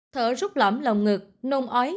thở rút lõm lòng ngực nôn ói